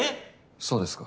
そうですか。